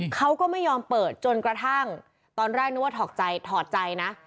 เขาก็ไม่ยอมเปิดจนกระทั่งตอนแรกนึกว่าถอดใจถอดใจนะ